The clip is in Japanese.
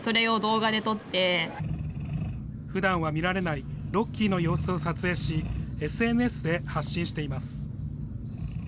ふだんは見られない、ロッキーの様子を撮影し、ＳＮＳで発信しています。